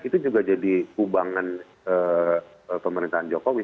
itu juga jadi kubangan pemerintahan jokowi